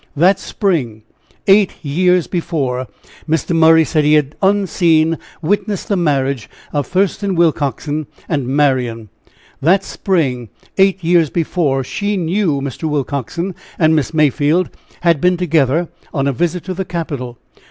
That spring, eight years before, Mr. Murray said he had, unseen, witnessed the marriage of Thurston Willcoxen and Marian. That spring, eight years before, she knew Mr. Willcoxen and Miss Mayfield had been together on a visit to the capital.